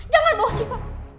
jangan bawa siva